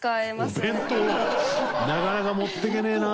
なかなか持っていけねえな。